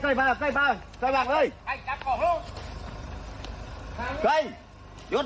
อย่าจะหยุดหยุดหยุด